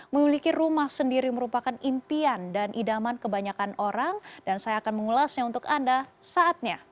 memiliki rumah sendiri merupakan impian dan idaman kebanyakan orang dan saya akan mengulasnya untuk anda saatnya